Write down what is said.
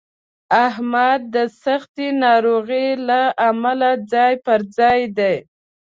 احمد د سختې ناروغۍ له امله ځای په ځای دی.